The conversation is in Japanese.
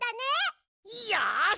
よし！